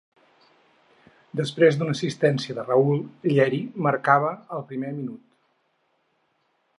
Després d'una assistència de Raúl, Lleri marcava al primer minut.